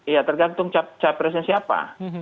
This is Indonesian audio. ya tergantung capresnya siapa